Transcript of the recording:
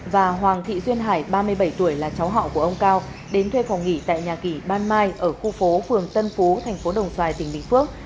và hoàng thị duyên hải ba mươi bảy tuổi là cháu họ của ông cao đến thuê phòng nghỉ tại nhà kỳ ban mai ở khu phố bình phước